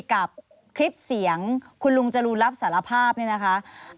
กับคลิปเสียงคุณลุงจรูนรับสารภาพเนี่ยนะคะ